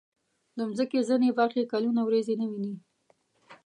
د مځکې ځینې برخې کلونه وریځې نه ویني.